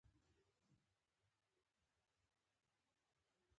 هغه د کور بنسټ کلک کیښود.